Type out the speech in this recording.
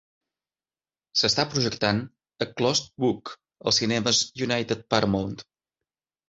S'està projectant "A Closed Book" als cinemes United Paramount